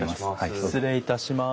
失礼いたします。